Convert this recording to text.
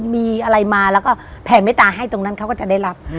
มีอะไรมาแล้วก็แผ่เมตตาให้ตรงนั้นเขาก็จะได้รับ